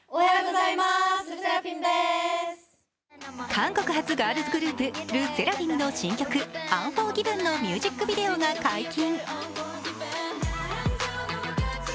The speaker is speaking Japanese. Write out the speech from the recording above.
韓国発ガールズグループ、ＬＥＳＳＥＲＡＦＩＭの新曲「ＵＮＦＯＲＧＩＶＥＮ」のミュージックビデオが解禁。